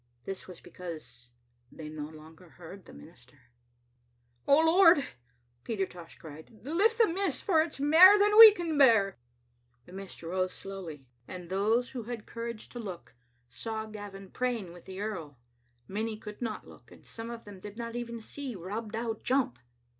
This was because they no longer heard the minister. "O Lord!" Peter Tosh cried, "lift the mist, for it*s mair than we can bear. " The mist rose slowly, and those who had courage to Digitized by VjOOQ IC 868 tCbe Xittle AInfeter. look saw Qavin praying with the earl. Many could not look, and some of them did not even see Rob Dow jump.